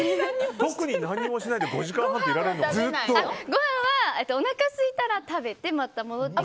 ごはんはおなかがすいたら食べて、また戻って。